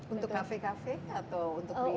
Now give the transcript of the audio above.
untuk kafe kafe atau untuk di